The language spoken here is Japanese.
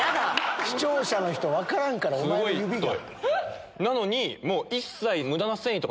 視聴者の人、分からんから、お前の指が。